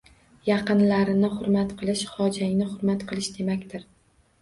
Yaqinlarini hurmat qilish xojangni hurmat qilish demakdir.